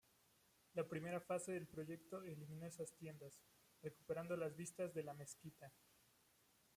La primera fase del proyecto eliminó esas tiendas, recuperando las vistas de la mezquita.